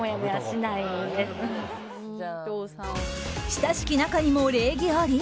親しき仲にも礼儀あり？